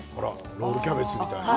ロールキャベツみたいに。